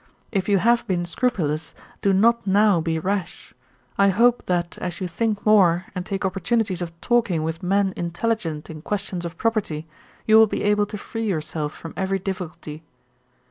If you have been scrupulous, do not now be rash. I hope that as you think more, and take opportunities of talking with men intelligent in questions of property, you will be able to free yourself from every difficulty.